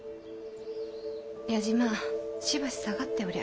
矢島しばし下がっておりゃ。